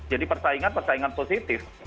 jadi persaingan persaingan positif